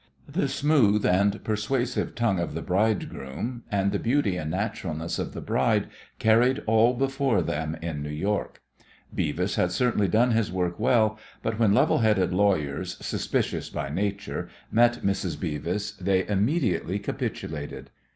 The smooth and persuasive tongue of the bridegroom and the beauty and naturalness of the bride carried all before them in New York. Beavis had certainly done his work well, but when level headed lawyers, suspicious by nature, met Mrs. Beavis they immediately capitulated.